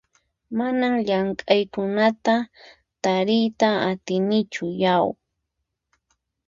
Manan llamk'aqkunata tariyta atinichu yau!